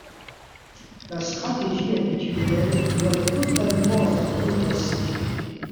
La stratégie habituelle doit totalement être repensée.